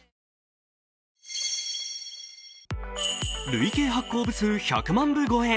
累計発行部数１００万部超え。